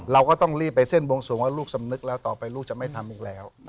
เราก็ต้องรีบไปเส้นบวงสวงว่าลูกสำนึกแล้วต่อไปลูกจะไม่ทำอีกแล้ว